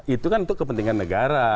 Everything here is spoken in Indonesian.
itu kan untuk kepentingan negara